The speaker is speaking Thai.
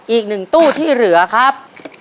อีกหนึ่งตู้ที่เหลือครับ